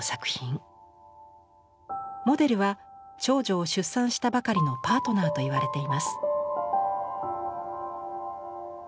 モデルは長女を出産したばかりのパートナーといわれています。